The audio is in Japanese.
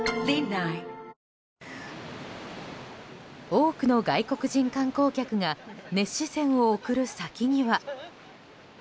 多くの外国人観光客が熱視線を送る先には。